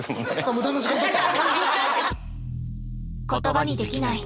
無駄な時間だった？